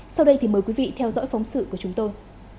sau đây thì mời quý vị theo dõi phóng sự của chúng tôi